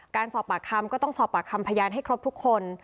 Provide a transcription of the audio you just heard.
การสอบปากคำก็ต้องสอบปากคำพยานให้ครบทุกคน